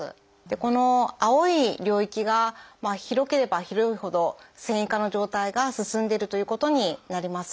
この青い領域が広ければ広いほど線維化の状態が進んでるということになります。